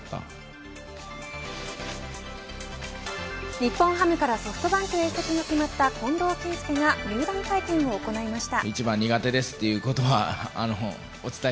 日本ハムからソフトバンクへ移籍が決まった近藤健介が入団会見を行いました。